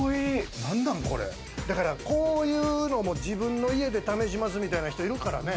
だから、こういうのも自分の家で試しますみたいなのもいるからね。